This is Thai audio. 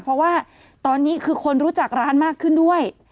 เพราะว่าตอนนี้คือคนรู้จักร้านมากขึ้นด้วย